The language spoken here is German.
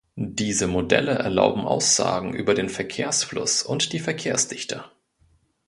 Diese Modelle erlauben Aussagen über den Verkehrsfluss und die Verkehrsdichte.